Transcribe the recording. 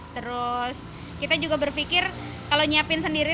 terus kita juga berpikir kalau nyiapin sendiri